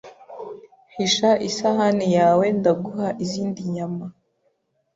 Hisha isahani yawe ndaguha izindi nyama.